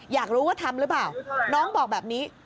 อยากรู้ว่าทำหรือเปล่าน้องบอกแบบนี้